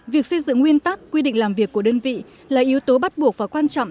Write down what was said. việc xây dựng nguyên tắc quy định làm việc của đơn vị là yếu tố bắt buộc và quan trọng